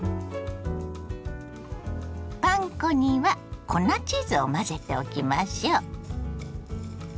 パン粉には粉チーズを混ぜておきましょ。